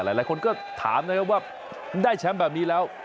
หลายคนก็ถามนะครับว่าได้แชมป์แบบนี้แล้ว